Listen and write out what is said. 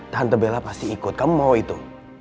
tante bella pasti ikut kamu mau itu